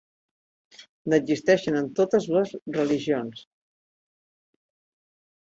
N'existeixen en totes les religions.